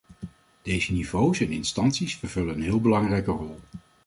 Deze niveaus en instanties vervullen een heel belangrijke rol.